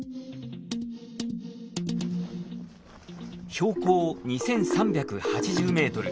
標高２，３８０ｍ。